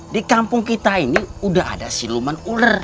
di kampung kita ini udah ada siluman ular